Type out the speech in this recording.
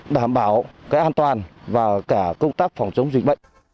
đảm bảo an toàn và công tác phòng chống dịch bệnh